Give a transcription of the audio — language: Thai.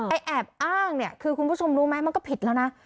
แอบอ้างเนี่ยคือคุณผู้ชมรู้ไหมมันก็ผิดแล้วนะ